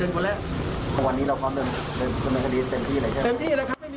ส่วนไนะศิษฐาที่บอกผม